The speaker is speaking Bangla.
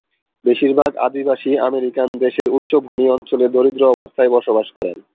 বেশির ভাগ আদিবাসী আমেরিকান দেশের উচ্চভূমি অঞ্চলে দরিদ্র অবস্থায় বসবাস করেন।